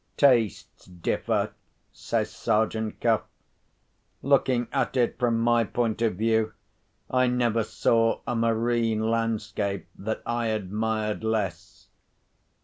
"Tastes differ," says Sergeant Cuff. "Looking at it from my point of view, I never saw a marine landscape that I admired less.